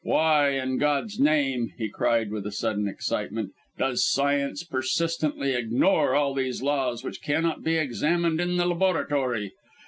Why, in God's name," he cried with a sudden excitement, "does science persistently ignore all those laws which cannot be examined in the laboratory!